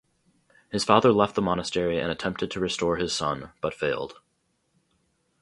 His father left the monastery and attempted to restore his son, but failed.